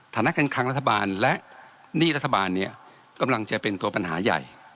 ฐานะการคลังรัฐบาลและหนี้รัฐบาลเนี่ยกำลังจะเป็นตัวปัญหาใหญ่